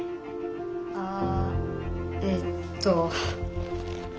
あえっと。